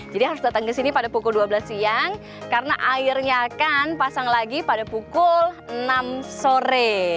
jadi harus datang ke sini pada pukul dua belas siang karena airnya akan pasang lagi pada pukul enam sore